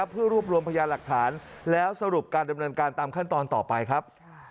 เพื่อรวบรวมพยานหลักฐานแล้วสรุปการดำเนินการตามขั้นตอนต่อไปครับ